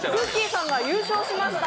さんが優勝しました。